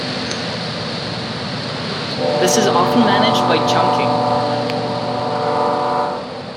This is often managed by chunking.